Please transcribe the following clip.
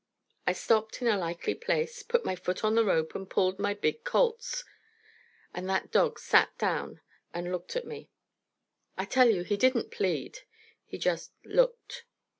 I stopped in a likely place, put my foot on the rope, and pulled my big Colt's. And that dog sat down and looked at me. I tell you he didn't plead. He just looked.